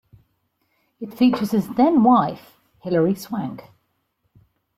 It features his then wife Hilary Swank.